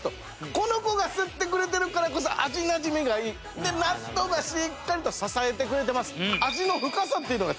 この子が吸ってくれてるからこそ味なじみがいい。で納豆がしっかりと支えてくれてます。